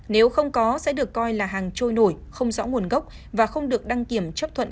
nếu không có sẽ được coi là hàng trôi nổi không rõ nguồn gốc và không được đăng kiểm chấp thuận